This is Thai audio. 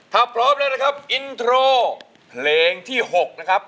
ถ้าพร้อมแล้วนะครับอินโทรเพลงที่๖นะครับ